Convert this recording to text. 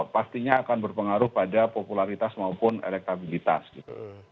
pastinya akan berpengaruh pada popularitas maupun elektabilitas gitu